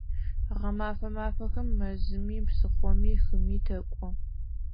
Гъэмэфэ мафэхэм мэзыми, псыхъоми, хыми тэкӀо.